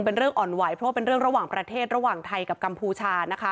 เป็นเรื่องอ่อนไหวเพราะว่าเป็นเรื่องระหว่างประเทศระหว่างไทยกับกัมพูชานะคะ